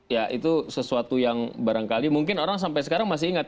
ya itu sesuatu yang barangkali mungkin orang sampai sekarang masih ingat